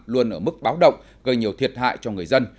luôn ở mức báo động gây nhiều thiệt hại cho người dân